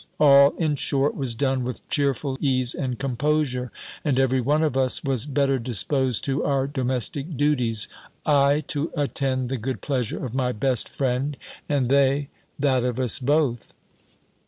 All, in short, was done with cheerful ease and composure: and every one of us was better disposed to our domestic duties: I, to attend the good pleasure of my best friend; and they, that of us both.